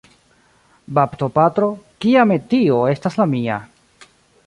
Baptopatro, kia metio estas la mia!